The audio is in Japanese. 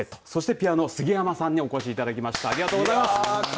ピアノの杉山さんにお越しいただきました。